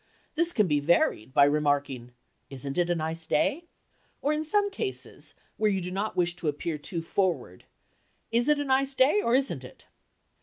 This can be varied by remarking, "Isn't it a nice day?" or in some cases, where you do not wish to appear too forward, "Is it a nice day, or isn't it?"